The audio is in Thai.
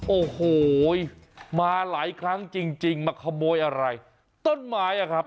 โอ้โหมาหลายครั้งจริงจริงมาขโมยอะไรต้นไม้อ่ะครับ